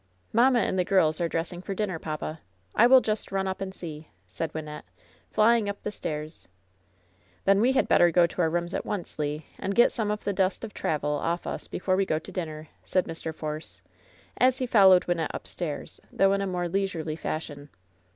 "Mamma and the girls are dressing for dinner, papa. I will just run up and see," said Wynnette, fiying up the stairs. "Then we had better go to our rooms at once, Le, and get some of the dust of travel off us before we go to dinner," said Mr. Force, as he followed Wynnette up stairs, though in a more leisurely fashion.